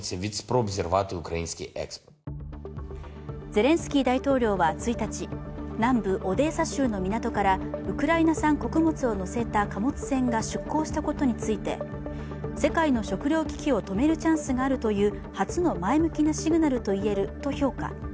ゼレンスキー大統領は１日、南部オデーサ州の港からウクライナ産穀物を載せた貨物船が出港したことについて世界の食糧危機を止めるチャンスがあるという初の前向きなシグナルと言えると評価。